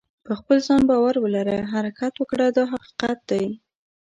په خپل ځان باور ولره حرکت وکړه دا حقیقت دی.